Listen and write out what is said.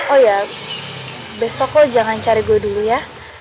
oh ya besok lo jangan cari gue dulu ya